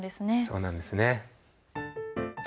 そうなんですね。